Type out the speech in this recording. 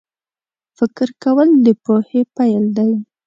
فکر کول د پوهې پیل دی